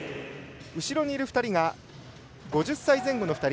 後ろにいる２人が５０歳前後の２人。